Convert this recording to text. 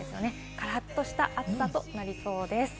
カラっとした暑さとなりそうです。